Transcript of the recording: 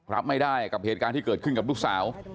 รับไม่ได้กับเหตุการณ์ที่เกิดขึ้นกับลูกสาว